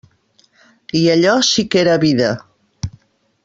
I allò sí que era vida.